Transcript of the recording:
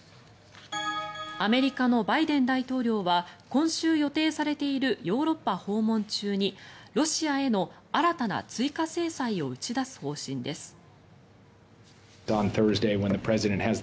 アメリカのバイデン大統領は今週予定されているヨーロッパ訪問中にロシアへの新たな追加制裁を打ち出す方針です。